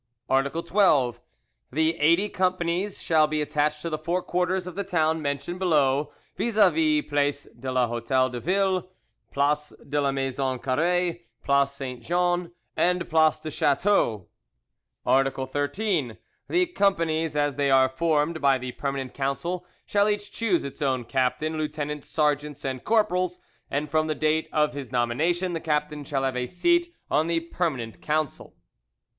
"Article 12. The eighty companies shall be attached to the four quarters of the town mentioned below—viz., place de l'Hotel de Ville, place de la Maison Carree, place Saint Jean, and place du Chateau. "Article 13. The companies as they are formed by the permanent council shall each choose its own captain, lieutenant, sergeants and corporals, and from the date of his nomination the captain shall have a seat on the permanent council."